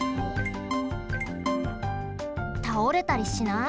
たおれたりしない？